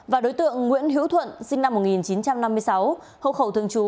và đối tượng nguyễn hiếu thuận sinh năm một nghìn chín trăm năm mươi sáu hộ khẩu thương chú